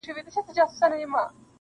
که په خوب دي جنت و نه لید بیا وایه,